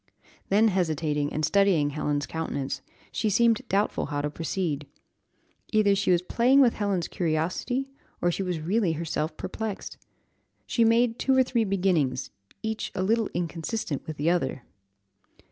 Then hesitating, and studying Helen's countenance, she seemed doubtful how to proceed. Either she was playing with Helen's curiosity, or she was really herself perplexed. She made two or three beginnings, each a little inconsistent with the other.